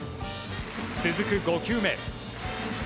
続く５球目。